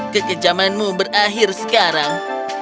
kekejamanmu berakhir sekarang